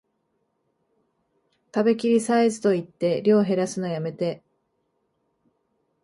食べきりサイズと言って量へらすのやめて